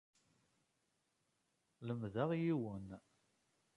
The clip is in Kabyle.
Lemdeɣ yiwen.